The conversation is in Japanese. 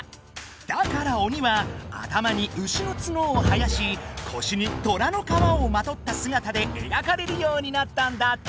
だから鬼は頭にウシの角を生やしこしにトラのかわをまとった姿でえがかれるようになったんだって！